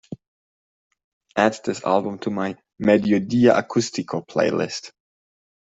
add this album to my Mediodía Acústico playlist